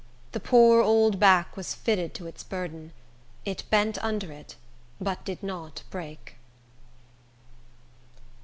The poor old back was fitted to its burden. It bent under it, but did not break.